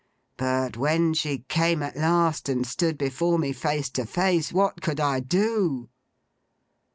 But when she came at last, and stood before me, face to face, what could I do?